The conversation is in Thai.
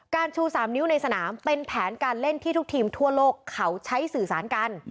ชู๓นิ้วในสนามเป็นแผนการเล่นที่ทุกทีมทั่วโลกเขาใช้สื่อสารกัน